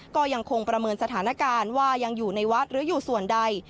ก็ยังคงประเมินสถานการณ์ว่ายังอยู่ในวัดหรืออยู่ส่วนใด